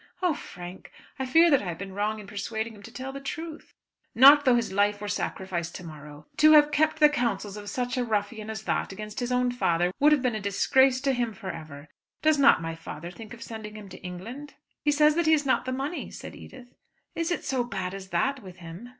Oh, Frank, I fear that I have been wrong in persuading him to tell the truth." "Not though his life were sacrificed to morrow. To have kept the counsels of such a ruffian as that against his own father would have been a disgrace to him for ever. Does not my father think of sending him to England?" "He says that he has not the money," said Edith. "Is it so bad as that with him?"